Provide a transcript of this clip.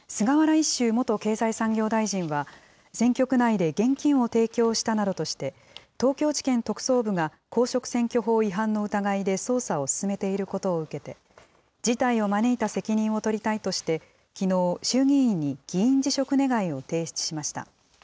一秀元経済産業大臣は、選挙区内で現金を提供したなどとして、東京地検特捜部が公職選挙法違反の疑いで捜査を進めていることを受けて、事態を招いた責任を取りたいとして、きのう、衆議院に議員辞職願を提出しました。